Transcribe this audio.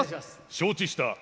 承知した。